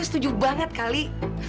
setuju banget kali